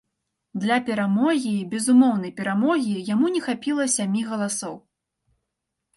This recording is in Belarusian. Для перамогі безумоўнай перамогі яму не хапіла сямі галасоў.